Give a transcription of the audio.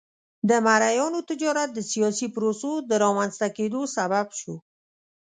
د مریانو تجارت د سیاسي پروسو د رامنځته کېدو سبب شو.